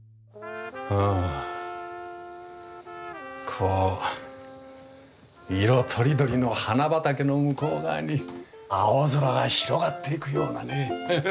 こう色とりどりの花畑の向こう側に青空が広がっていくようだね。